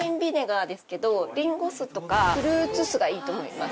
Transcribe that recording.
りんご酢とかフルーツ酢がいいと思います。